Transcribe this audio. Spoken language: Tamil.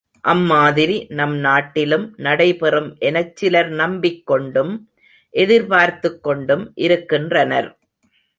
அம்மாதிரி நம் நாட்டிலும் நடைபெறும் எனச் சிலர் நம்பிக் கொண்டும் எதிர்பார்த்துக்கொண்டும் இருக்கின்றனர்.